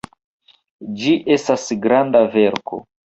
Ĝi estas granda verko.